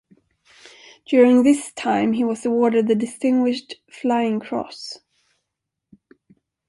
During this time he was awarded the Distinguished Flying Cross.